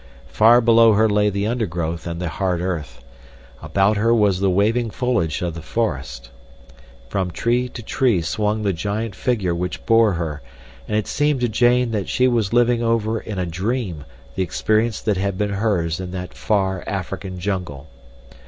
Far below her lay the undergrowth and the hard earth. About her was the waving foliage of the forest. From tree to tree swung the giant figure which bore her, and it seemed to Jane that she was living over in a dream the experience that had been hers in that far African jungle.